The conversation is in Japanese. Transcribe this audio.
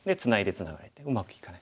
ツナがれてうまくいかない。